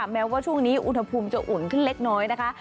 แม้ว่าช่วงนี้อุณหภูมิจะอุ่นขึ้นเล็กน้อยนะคะ